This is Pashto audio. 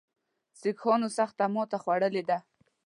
سیکهانو سخته ماته خوړلې ده.